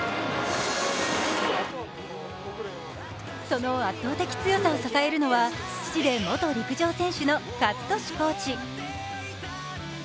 その圧倒的強さを支えるのは父で元陸上選手の健智コーチ。